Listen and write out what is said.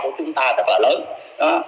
mà tôi nghĩ rằng đó là cái chủ quan lớn nhất